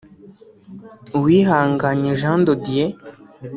Uwihanganye Jean de Dieu